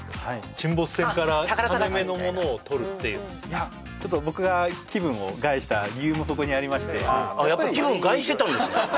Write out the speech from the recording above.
沈没船から金目のものをとるっていうちょっと僕が気分を害した理由もそこにありましてやっぱり気分害してたんですね